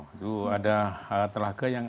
itu ada telaga yang